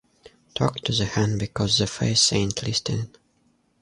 Talk to the hand, because the face ain’t listening.